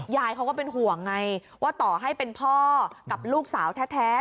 ยายเขาก็เป็นห่วงไงว่าต่อให้เป็นพ่อกับลูกสาวแท้